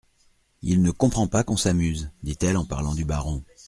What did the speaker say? Il ne comprend pas qu'on s'amuse, dit-elle en parlant du baron.